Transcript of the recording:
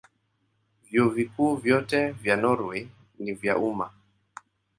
Vyuo Vikuu vyote vya Norwei ni vya umma.